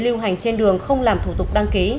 lưu hành trên đường không làm thủ tục đăng ký